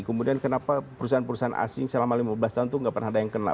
kemudian kenapa perusahaan perusahaan asing selama lima belas tahun itu nggak pernah ada yang kena